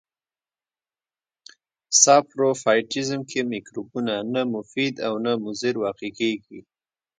ساپروفایټیزم کې مکروبونه نه مفید او نه مضر واقع کیږي.